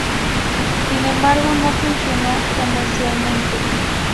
Sin embargo, no funcionó comercialmente.